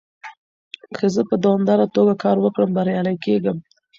که زه په دوامداره توګه کار وکړم، بريالی کېږم.